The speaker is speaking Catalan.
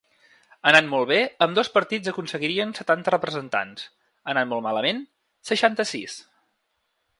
Anant molt bé, ambdós partits aconseguirien setanta representats; anant molt malament, seixanta-sis.